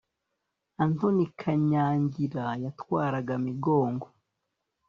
Antoni Kanyangira yatwaraga Migongo